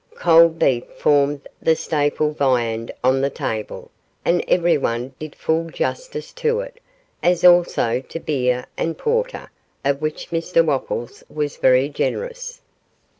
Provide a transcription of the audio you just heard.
Cold beef formed the staple viand on the table, and everyone did full justice to it, as also to beer and porter, of which Mr Wopples was very generous.